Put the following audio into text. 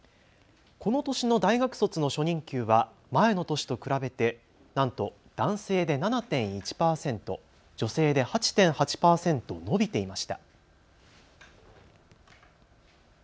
この年の大学卒の初任給は前の年と比べてなんと男性で７．１％、女性で８．８％伸びていました。